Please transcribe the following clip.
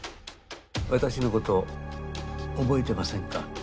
私のこと覚えてませんか？